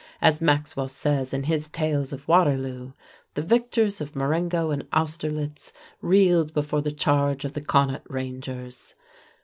As Maxwell says in his Tales of Waterloo: "The victors of Marengo and Austerlitz reeled before the charge of the Connaught Rangers."